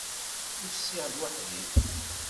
Usiɣ-d weḥd-i.